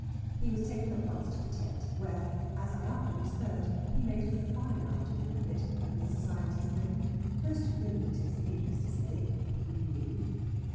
He was taken at once to the tent; where, as I afterwards heard, he made a fine afternoon of it with the society's men; most of whom, it is needless to say, he knew.